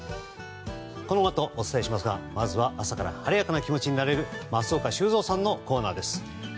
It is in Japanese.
このあとお伝えいたしますがまずは朝から晴れやかな気持ちになれる松岡修造さんのコーナーです。